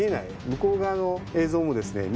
向こう側の映像もですね